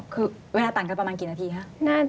คือเวลาต่างกันประมาณกี่นาทีคะ